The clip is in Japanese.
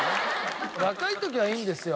若い時はいいんですよ